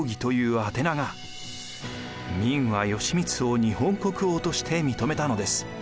明は義満を日本国王として認めたのです。